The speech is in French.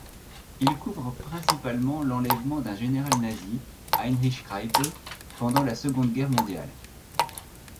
Il couvre principalement l'enlèvement d'un général nazi, Heinrich Kreipe, pendant la Seconde Guerre mondiale.